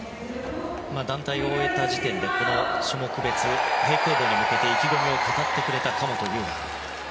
団体を終えた時点で種目別平行棒に向けて意気込みを語ってくれた神本雄也。